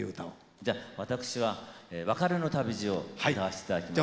じゃあ私は「別れの旅路」を歌わさせていただきます。